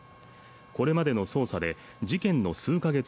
これまでの捜査で事件の数か月